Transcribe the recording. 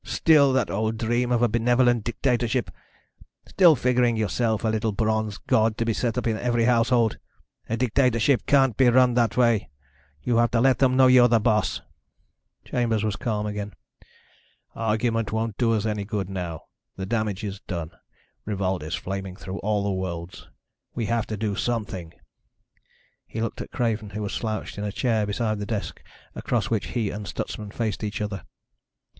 "Still that old dream of a benevolent dictatorship. Still figuring yourself a little bronze god to be set up in every household. A dictatorship can't be run that way. You have to let them know you're boss." Chambers was calm again. "Argument won't do us any good now. The damage is done. Revolt is flaming through all the worlds. We have to do something." He looked at Craven, who was slouched in a chair beside the desk across which he and Stutsman faced each other.